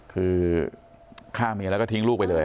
คือฆ่าเมียแล้วก็ทิ้งลูกไปเลย